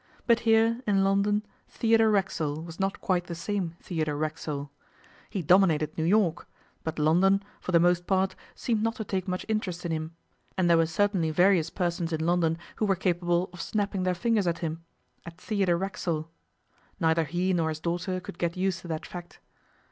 But here, in London, Theodore Racksole was not quite the same Theodore Racksole. He dominated New York; but London, for the most part, seemed not to take much interest in him; and there were certainly various persons in London who were capable of snapping their fingers at him at Theodore Racksole. Neither he nor his daughter could get used to that fact.